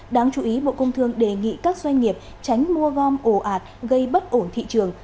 đáng chú ý bộ công thương đề nghị các doanh nghiệp tránh mua gom ổ ạt gây bất ổn thị trường